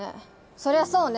そりゃそうね！